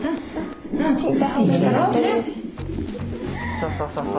そうそうそうそう。